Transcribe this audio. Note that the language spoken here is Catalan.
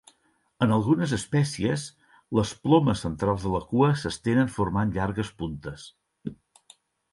En algunes espècies, les plomes centrals de la cua s'estenen formant llargues puntes.